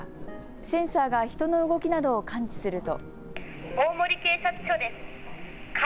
センサーが人の動きなどを感知すると。